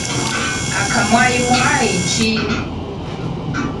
Aka Mwayi Mwayi ki?